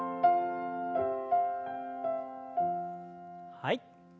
はい。